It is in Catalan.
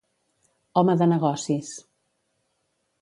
Home de negocis.